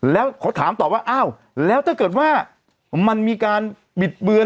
แล้วเขาถามตอบว่าอ้าวแล้วถ้าเกิดว่ามันมีการบิดเบือน